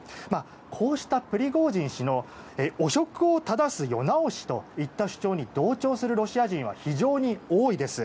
こうしたプリゴジン氏の汚職をただす世直しといった主張に同調するロシア人は非常に多いです。